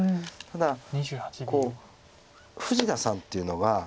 ただ富士田さんっていうのは。